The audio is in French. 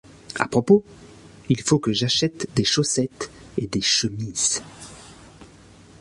À propos, il faut que j’achète des chaussettes et des chemises!